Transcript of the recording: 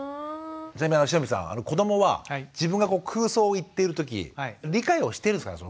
じゃあ汐見さん子どもは自分が空想を言っているとき理解をしてるんですかね？